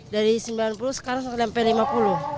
dari rp sembilan puluh sekarang sampai rp lima puluh